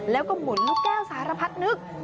แล้วก็หมุนลูกแก้วสารพัดนึก